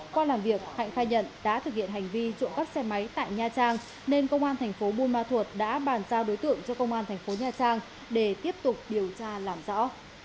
qua làm việc hạnh khai nhận đã thực hiện hành vi trộm cắp xe máy tại nha trang nên công an thành phố buôn ma thuột đã bàn giao đối tượng cho công an thành phố nha trang để tiếp tục điều tra làm rõ